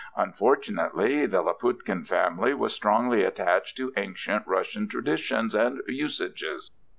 Unfortunately the Laputkin family was strongly attached to ancient Russian traditions and usages.